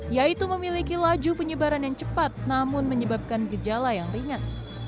yaitu memiliki laju penyebaran yang cepat namun menyebabkan gejala yang ringan